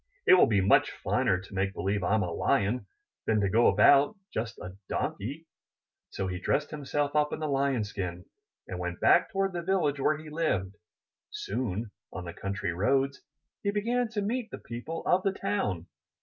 'It will be much finer to make believe Fm a Lion, than to go about just a Donkey.*' So he dressed himself up in the Lion's skin, and went back toward the village where he lived. Soon on the country roads he began to meet the people of the town.